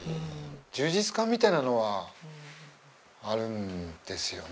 充実感みたいなのはあるんですよね。